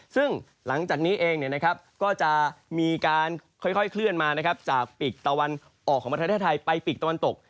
ซึ่งหลังจากนี้เองก็จะมีการค่อยเคลื่อนมาจากปีกตะวันออกของประเทศไทยไปปีกตะวันตก